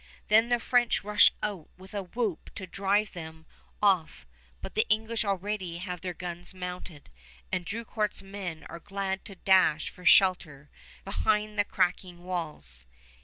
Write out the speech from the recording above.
Then the French rush out with a whoop to drive them off, but the English already have their guns mounted, and Drucourt's men are glad to dash for shelter behind the cracking walls.